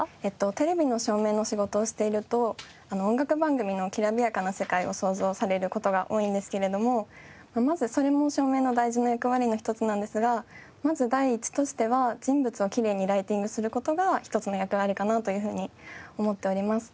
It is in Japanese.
テレビの照明の仕事をしていると音楽番組のきらびやかな世界を想像される事が多いんですけれどもそれも照明の大事な役割の一つなんですがまず第一としては人物をきれいにライティングする事が一つの役割かなというふうに思っております。